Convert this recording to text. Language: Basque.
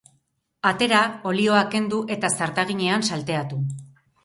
Atera, olioa kendu, eta zartaginean salteatu.